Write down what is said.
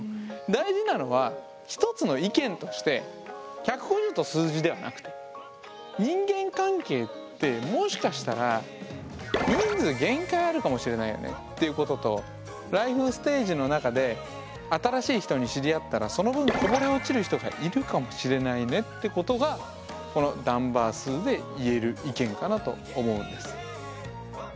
大事なのはひとつの意見として１５０という数字ではなくて人間関係ってもしかしたら人数限界あるかもしれないよねっていうこととライフステージの中で新しい人に知り合ったらその分こぼれ落ちる人がいるかもしれないねってことがこのダンバー数で言える意見かなと思うんです。